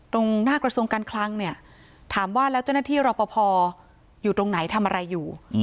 ตรงหน้ากระทรวงการคลังเนี่ยถามว่าแล้วเจ้าหน้าที่รอปภอยู่ตรงไหนทำอะไรอยู่